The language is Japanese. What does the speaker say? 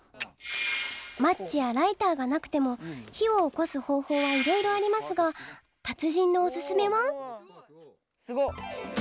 マッチやライターがなくても火を起こす方法はいろいろありますが達人のおすすめは！